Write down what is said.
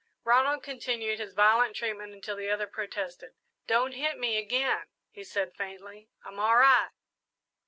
Ronald continued his violent treatment until the other protested. "Don't hit me again," he said faintly, "I'm all right!"